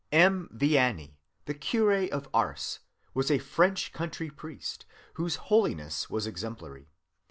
M. Vianney, the curé of Ars, was a French country priest, whose holiness was exemplary.